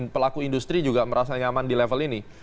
pelaku industri juga merasa nyaman di level ini